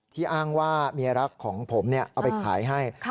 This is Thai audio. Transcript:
ที่อ้างว่าเมียรักของผมเนี่ยเอาไปขายให้